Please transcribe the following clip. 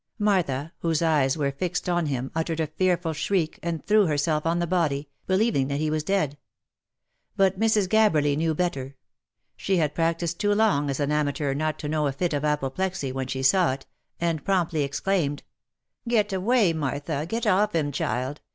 Martha, whose eyes were fixed upon him, uttered a fearful shriek, and threw herself on the body, believing that he was dead. But Mrs. Gabberly knew better. She had practised too long as an amateur not to know a fit of apoplexy when she saw it, and promptly ex claimed, '? Get away, Martha ! Get off of him, child !